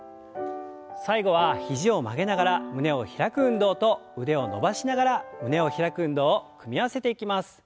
最後は肘を曲げながら胸を開く運動と腕を伸ばしながら胸を開く運動を組み合わせていきます。